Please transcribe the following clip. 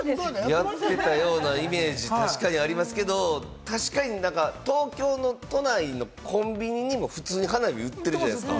やってたようなイメージがありますけれども、確かに東京都内のコンビニにも普通に花火売ってるじゃないですか。